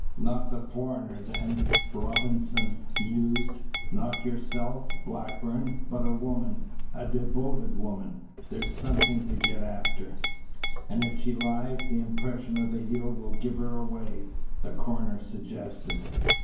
"Not the foreigner then," Robinson mused, "not yourself, Blackburn, but a woman, a devoted woman. That's something to get after." "And if she lies, the impression of the heel will give her away," the coroner suggested.